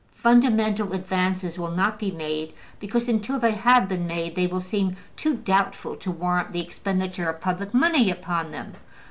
Fundamental advances will not be made, because, until they have been made, they will seem too doubtful to warrant the expenditure of public money upon them.